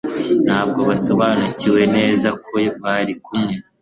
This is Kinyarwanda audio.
Ntabwo basobanukiwe neza ko bari kumwe